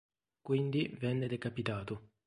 Quindi venne decapitato.